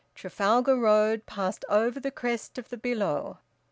Trafalgar Road passed over the crest of the billow.